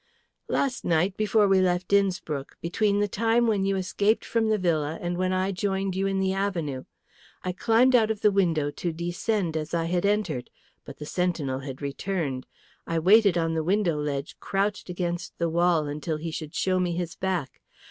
"Last night, before we left Innspruck, between the time when you escaped from the villa and when I joined you in the avenue. I climbed out of the window to descend as I had entered, but the sentinel had returned. I waited on the window ledge crouched against the wall until he should show me his back.